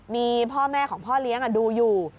มีพ่อแม่ของพ่อเลี้ยงดูอยู่